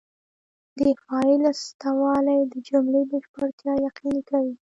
د فاعل سته والى د جملې بشپړتیا یقیني کوي.